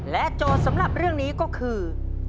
โจทย์สำหรับเรื่องนี้ก็คือ